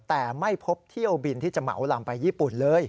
แต่ไม่พบเที่ยวบินที่จะเหมาลำไปญี่ปุ่นเลย